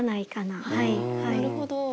なるほど。